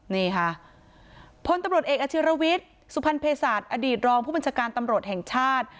นี่ค่ะพลตำรวจเอกอาชิรวิทย์สุพรรณเพศศาสตร์อดีตรองผู้บัญชาการตำรวจแห่งชาติ